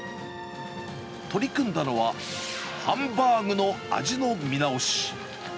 取り組んだのは、ハンバーグの味の見直し。